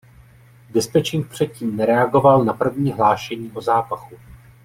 Dispečink předtím nereagoval na první hlášení o zápachu.